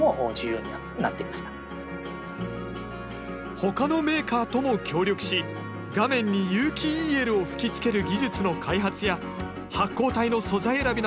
他のメーカーとも協力し画面に有機ＥＬを吹きつける技術の開発や発光体の素材選びなど試行錯誤。